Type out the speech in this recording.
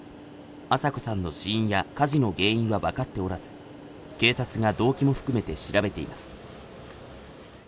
アサコさんの死因や火事の原因は分かっておらず警察が動機も含めて調べています